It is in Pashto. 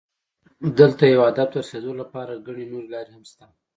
دلته یو هدف ته رسېدو لپاره ګڼې نورې لارې هم شته.